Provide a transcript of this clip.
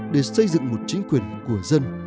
để xây dựng một chính quyền của dân